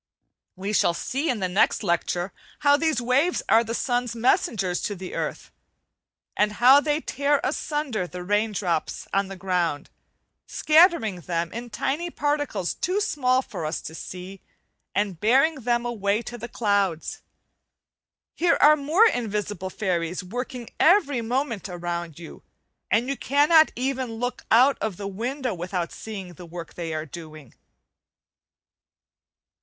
We shall see in the next lecture how these waves are the sun's messengers to the earth, and how they tear asunder the rain drops on the ground, scattering them in tiny particles too small for us to see, and bearing them away to the clouds. Here are more invisible fairies working every moment around you, and you cannot even look out of the window without seeing the work they are doing.